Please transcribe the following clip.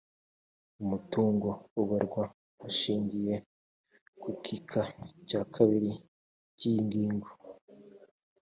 umutungo ubarwa bashingiye ku gika cya kabiri cy ‘yi ngingo